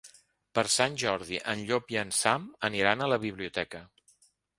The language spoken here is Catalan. Per Sant Jordi en Llop i en Sam aniran a la biblioteca.